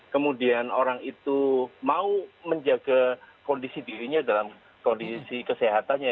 kemudian orang itu mau menjaga kondisi dirinya dalam kondisi kesehatannya